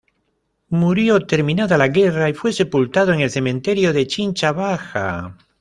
Murió terminada la guerra y fue sepultado en el Cementerio de Chincha Baja.